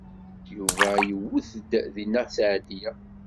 Yuba iwet-d deg Nna Seɛdiya.